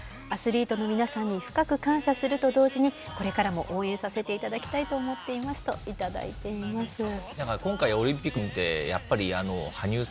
アスリートの皆さんに深く感謝すると同時に、これからも応援させていただきたいと思っていますと、頂いています。